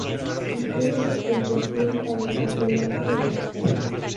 Sistema de puntuación para el campeonato de marcas.